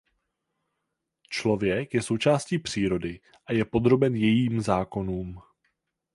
Člověk je součástí přírody a je podroben jejím zákonům.